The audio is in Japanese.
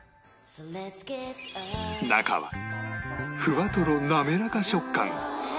中はふわとろなめらか食感